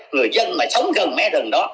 người dân mà sống gần mấy rừng đó